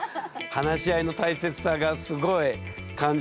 話し合いの大切さがすごい感じられますよ。